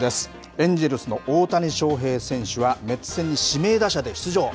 エンジェルスの大谷翔平選手は、メッツ戦に指名打者で出場。